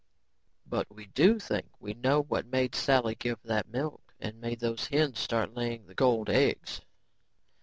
"But we do think we know what made Sally give that milk and made those hens start laying the gold eggs."